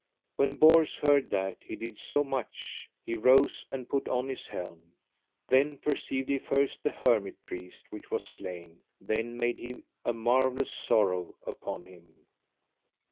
When Bors heard that, he did so much, he rose and put on his helm. Then perceived he first the hermit priest which was slain, then made he a marvellous sorrow upon him.